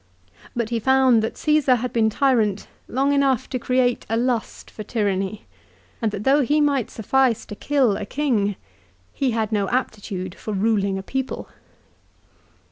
But he found that Csesar had been tyrant long enough to create a lust for tyranny ; and that though he might suffice to kill a king, he had no aptitude for ruling a people.